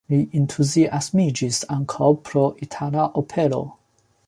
Li entuziasmiĝis ankaŭ pro itala opero.